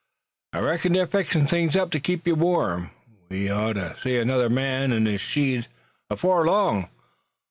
I reckon they're fixin' things to keep you warm. We oughter see another man an' his sheet afore long.